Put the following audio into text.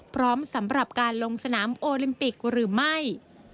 พร้อมสำหรับการลงสนามโอลิมปิกหรือไม่